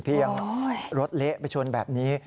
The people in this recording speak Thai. พี่ยังรถเละไปชนแบบนี้